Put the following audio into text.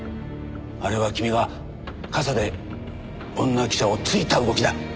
あれは君が傘で女記者を突いた動きだ。